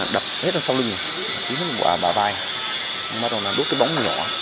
đập hết ra sau lưng bỏ vào vai bắt đầu đốt cái bóng nhỏ